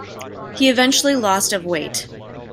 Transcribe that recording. He eventually lost of weight.